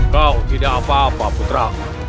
kau tidak apa apa putra